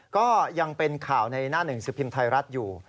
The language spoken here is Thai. ก็ยังเป็นข่าวในหน้าหนึ่งสิบพิมพ์ไทยรัฐอยู่